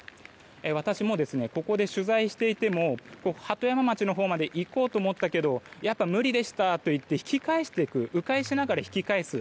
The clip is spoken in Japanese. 私もここで取材をしていても鳩山町のほうまで行こうと思ったけどやっぱり無理でしたと言って迂回しながら引き返す